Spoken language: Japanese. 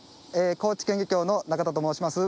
高知県漁協の中田と申します。